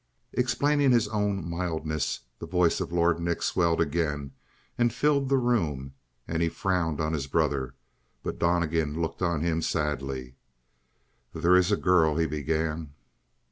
Explaining his own mildness, the voice of Lord Nick swelled again and filled the room, and he frowned on his brother. But Donnegan looked on him sadly. "There is a girl " he began.